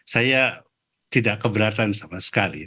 saya tidak keberatan sama sekali